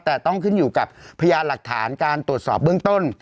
แต่ต้องขึ้นอยู่กับพยานหลักฐานการตรวจสอบเบื้องต้น